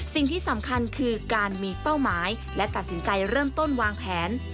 สิ่งที่สำคัญคือการมีเป้าหมายและตัดสินใจเริ่มต้นวางแผน